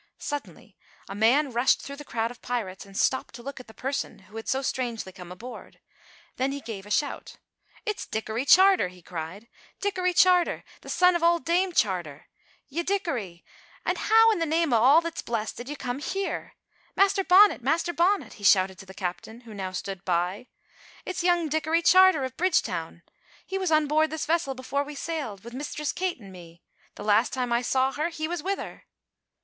Suddenly a man rushed through the crowd of pirates and stooped to look at the person who had so strangely come aboard. Then he gave a shout. "It is Dickory Charter," he cried, "Dickory Charter, the son o' old Dame Charter! Ye Dickory! an' how in the name o' all that's blessed did ye come here? Master Bonnet! Master Bonnet!" he shouted to the captain, who now stood by, "it is young Dickory Charter, of Bridgetown. He was on board this vessel before we sailed, wi' Mistress Kate an' me. The last time I saw her he was wi' her."